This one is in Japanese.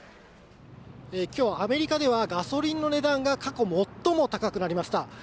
きょう、アメリカでは、ガソリンの値段が過去最も高くなりました。